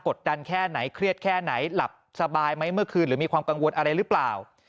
ดดันแค่ไหนเครียดแค่ไหนหลับสบายไหมเมื่อคืนหรือมีความกังวลอะไรหรือเปล่า